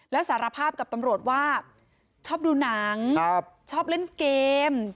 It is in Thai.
แล้วสารภาพกับตำรวจว่าชอบดูหนังชอบเล่นเกม